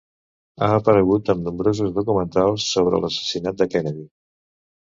Ha aparegut en nombrosos documentals sobre l'assassinat de Kennedy.